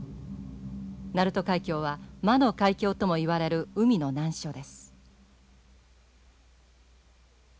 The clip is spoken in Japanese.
鳴門海峡は魔の海峡とも言われる海の難所です。